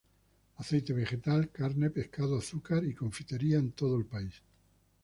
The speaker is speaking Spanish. Aceite vegetal, carne, pescado, azúcar y confitería en todo el país.